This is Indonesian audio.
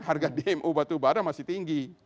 harga dmo batu barah masih tinggi